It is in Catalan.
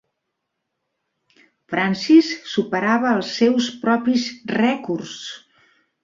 Francis superava els seus propis rècords.